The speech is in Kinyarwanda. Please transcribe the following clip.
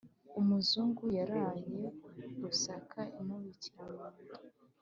Umuzungu Yaraye rusake imubikira munda.